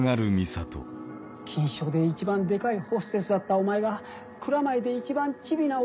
錦糸町で一番デカいホステスだったお前が蔵前で一番チビな